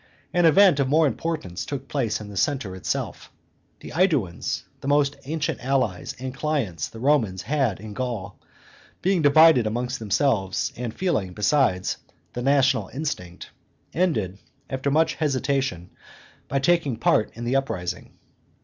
An event of more importance took place in the centre itself. The AEduans, the most ancient allies and clients the Romans had in Gaul, being divided amongst themselves, and feeling, besides, the national instinct, ended, after much hesitation, by taking part in the uprising.